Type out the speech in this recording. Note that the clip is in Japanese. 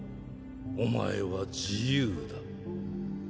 お前は自由だ。